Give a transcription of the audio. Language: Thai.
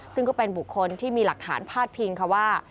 ซึ่งก็เป็นบุคคลที่มีหลักฐานพาดพิงค่ะว่า